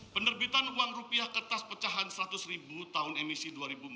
penerbitan uang rupiah kertas pecahan seratus ribu tahun emisi dua ribu empat belas